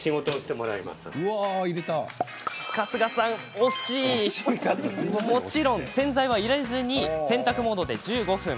もちろん洗剤は入れずに洗濯モードで１５分。